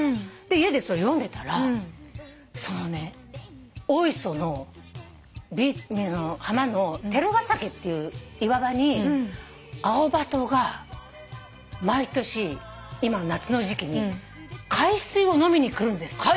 家でそれ読んでたら大磯の浜の照ヶ崎っていう岩場にアオバトが毎年今夏の時季に海水を飲みに来るんですって。